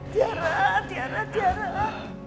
tiara tiara tiara